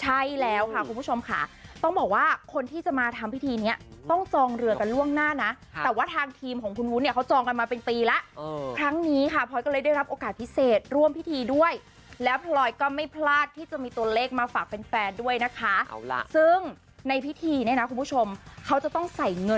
ใช่แล้วค่ะคุณผู้ชมค่ะต้องบอกว่าคนที่จะมาทำพิธีเนี้ยต้องจองเรือกันล่วงหน้านะแต่ว่าทางทีมของคุณวุ้นเนี่ยเขาจองกันมาเป็นปีแล้วครั้งนี้ค่ะพลอยก็เลยได้รับโอกาสพิเศษร่วมพิธีด้วยแล้วพลอยก็ไม่พลาดที่จะมีตัวเลขมาฝากแฟนด้วยนะคะซึ่งในพิธีเนี่ยนะคุณผู้ชมเขาจะต้องใส่เงิน